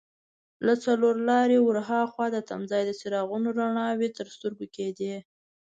له څلور لارې ور هاخوا د تمځای د څراغونو رڼاوې تر سترګو کېدې.